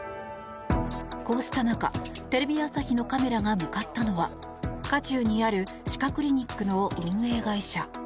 こうした中、テレビ朝日のカメラが向かったのは渦中にある歯科クリニックの運営会社。